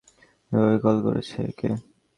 এভাবে কল করছে কে?